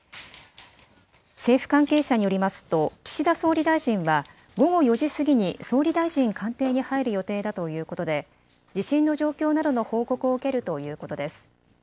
政府関係者によりますと岸田総理大臣は午後４時過ぎに総理大臣官邸に入る予定だということで地震の状況などの報告を受けるということです。